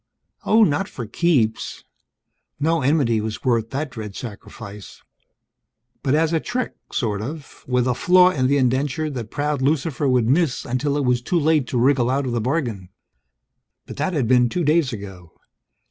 Oh, not for keeps! No enmity was worth that dread sacrifice. But as a trick, sort of with a flaw in the indenture that proud Lucifer would miss until it was too late to wriggle out of the bargain. But that had been two days ago.